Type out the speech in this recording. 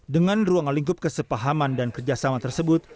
dengan ruang lingkup kesepahaman dan kerjasama tersebut